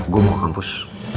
gue mau ke kampus